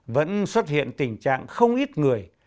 vẫn xuất hiện tình trạng không ít người